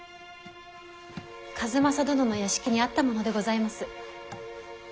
数正殿の屋敷にあったものでございます。